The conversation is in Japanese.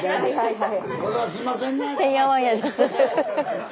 はい。